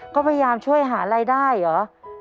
ก็พยายามช่วยหารายได้เหรอ